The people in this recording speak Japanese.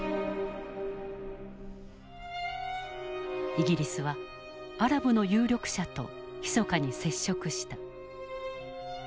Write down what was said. イギリスはアラブの有力者とひそかに接触した。